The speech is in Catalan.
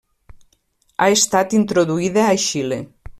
Ha estat introduïda a Xile.